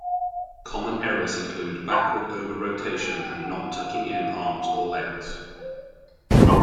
Common errors include backward over rotation and not tucking in arms or legs.